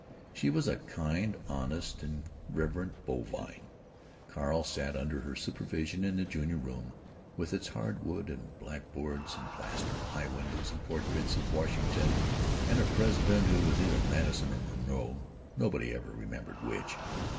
She was a kind, honest, and reverent bovine. Carl sat under her supervision in the junior room, with its hardwood and blackboards and plaster, high windows and portraits of Washington and a President who was either Madison or Monroe (no one ever remembered which).